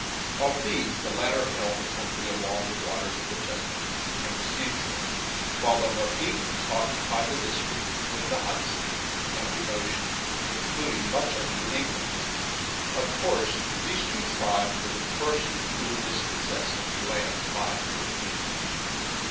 Of these the latter held the country along the waters of the Chesapeake and the seashore; while the Mohegans occupied the district between the Hudson and the ocean, including much of New England. Of course these two tribes were the first who were dispossessed of their lands by the Europeans.